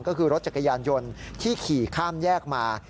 ก็คือรถจักรยานยนต์ที่ขี่ข้ามแยกมา